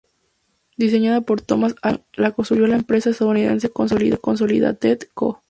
Diseñada por Thomas Alva Edison, la construyó la empresa estadounidense Consolidated Co.